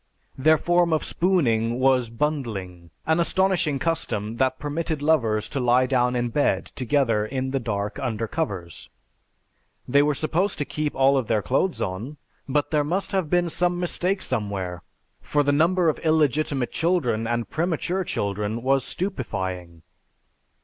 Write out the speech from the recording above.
Their form of spooning was 'bundling,' an astonishing custom that permitted lovers to lie down in bed together in the dark, under covers. They were supposed to keep all their clothes on, but there must have been some mistake somewhere for the number of illegitimate children and premature children was stupefying.